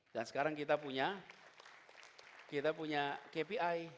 dan sekarang kita punya kpi